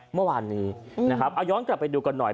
เมื่อวานนี้นะครับเอาย้อนกลับไปดูกันหน่อย